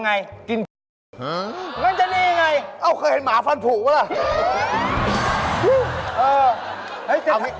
อ้าวเคยเห็นหมาฟันผูเนอะ